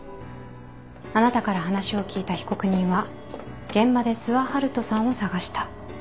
あなたから話を聞いた被告人は現場で諏訪遙人さんを捜した。